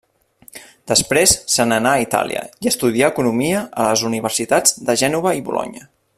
Després se n'anà a Itàlia i estudià economia a les universitats de Gènova i Bolonya.